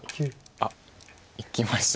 あっいきました。